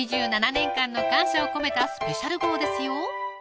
２７年間の感謝を込めたスペシャル号ですよ